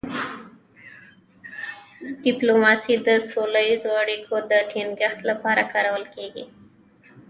ډيپلوماسي د سوله ییزو اړیکو د ټینګښت لپاره کارول کېږي.